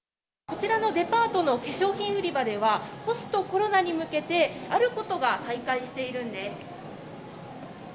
こちらのデパートの化粧品売り場では、ポストコロナに向けて、あることが再開しているんです。